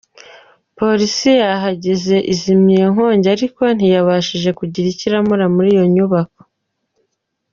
Police yahageze izimya iyi nkongi ariko ntiyabashije kugira icyo iramura muri iyi nyubako.